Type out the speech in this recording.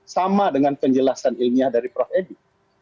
sama dengan penjelasan ilmiah dari prof edi